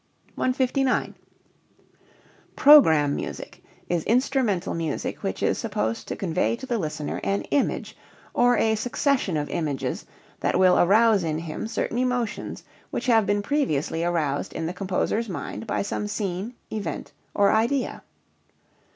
159. Program music is instrumental music which is supposed to convey to the listener an image or a succession of images that will arouse in him certain emotions which have been previously aroused in the composer's mind by some scene, event, or idea.